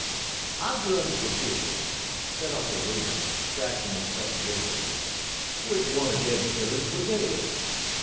"I done fergit," said Uncle Remus, scratching his head gravely, "w'ich one er dem chilluns wuz ailin'.